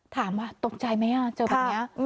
ถามว่าตกใจไหมเจอแบบนี้